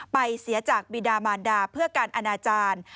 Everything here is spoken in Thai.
เสียจากบิดามานดาเพื่อการอนาจารย์